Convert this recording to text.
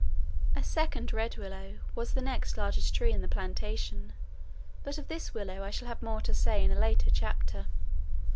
A second red willow was the next largest tree in the plantation, but of this willow I shall have more to say in a later chapter.